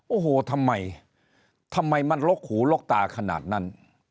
โอ้โหทำไมทำไมมันลกหูลกตาขนาดนั้น